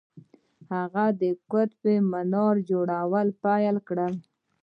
هغه د قطب منار جوړول پیل کړل.